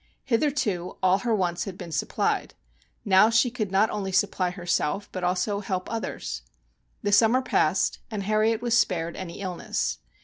Hith erto all her wants had been supplied вҖ" now she could not only supply herself but also help others. The summer passed, and Harriet was spared any illness.